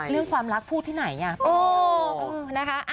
เรื่องความรักพูดที่ไหน